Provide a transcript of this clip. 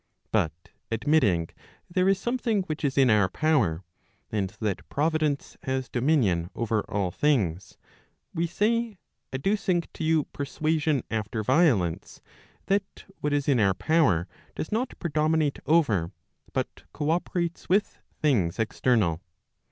But admitting there is something which is in our power, and that Providence has dominion over all things, we say, adducing to you persuasion after violence, that what is in our power does not predominate over, but co operates with things external.